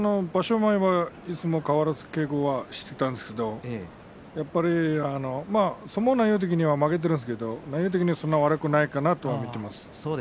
前、いつもと変わらずに稽古はしていたんですがやはり相撲内容的には負けていますが内容的にはそんなに悪くはないと思っています。